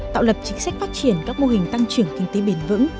tạo lập chính sách phát triển các mô hình tăng trưởng kinh tế bền vững